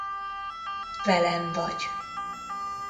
Velem vagy.